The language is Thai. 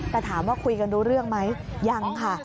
แต่ถามว่าคุยกันรู้เรื่องไหมยังค่ะ